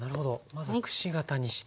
まずくし形にして。